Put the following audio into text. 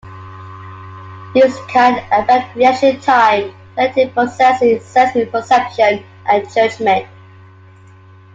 These can affect reaction time, cognitive processing, sensory perception, and judgment.